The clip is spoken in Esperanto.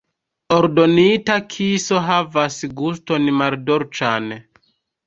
Ordonita kiso havas guston maldolĉan.